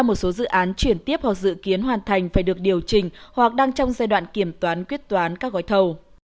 một số dự án chuyển tiếp hoặc dự kiến hoàn thành phải được điều chỉnh hoặc đang trong giai đoạn kiểm toán quyết toán các gói thầu